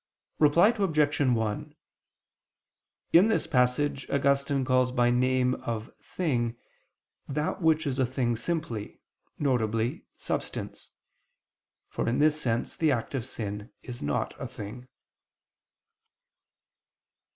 Reply Obj. 1: In this passage Augustine calls by the name of "thing," that which is a thing simply, viz. substance; for in this sense the act of sin is not a thing.